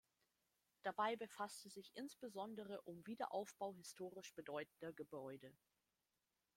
Dabei befasste sich insbesondere um Wiederaufbau historisch bedeutender Gebäude.